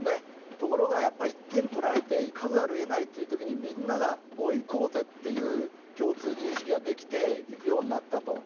ところが、１点取られて行かざるを得ないという時にみんなが行こうぜという共通認識ができて行くようになったと。